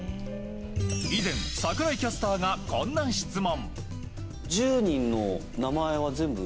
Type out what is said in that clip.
以前、櫻井キャスターがこんな質問。